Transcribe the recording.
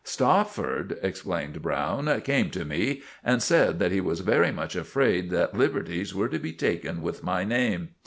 "Stopford," explained Browne, "came to me and said that he was very much afraid that liberties were to be taken with my name.